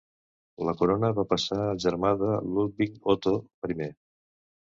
La corona va passar al germà de Ludwig, Otto I.